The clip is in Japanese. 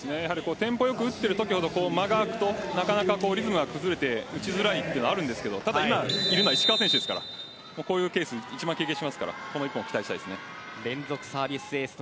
テンポよく打っているときほど間が空くとなかなかリズムが崩れて打ちづらいというのはあるんですけどでも今、石川選手ですからこういうケース一番経験していますから期待したいです。